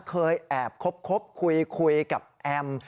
เคยแอบคบคุยกับแอม